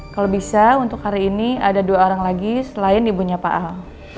kalau bisa untuk hari ini ada dua orang lagi selain ibunya pak al